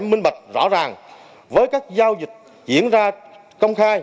minh bạch rõ ràng với các giao dịch diễn ra công khai